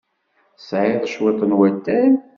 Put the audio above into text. Tesɛiḍ cwiṭ n watay?